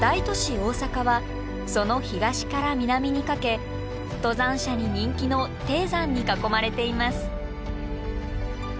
大阪はその東から南にかけ登山者に人気の低山に囲まれています。